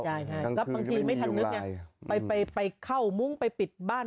ใช่ใช่บางทีไม่ทันนึกเนี่ยไปไปไปเข้ามุ้งไปปิดบ้าน